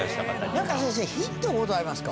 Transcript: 何か先生ヒントございますか？